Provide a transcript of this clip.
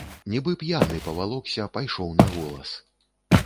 Нібы п'яны, павалокся, пайшоў на голас.